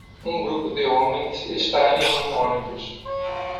Um grupo de homens está em um ônibus